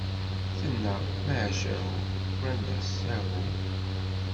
Tenna: "Macahu!" Rran-as: "Ahu."